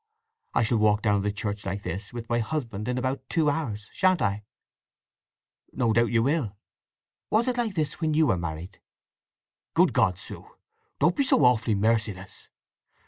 I shall walk down the church like this with my husband in about two hours, shan't I!" "No doubt you will!" "Was it like this when you were married?" "Good God, Sue—don't be so awfully merciless!